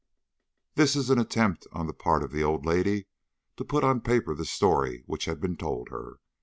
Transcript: "This is an attempt on the part of the old lady to put on paper the story which had been told her.